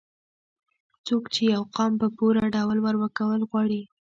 څوک چې يو قام په پوره ډول وروکول غواړي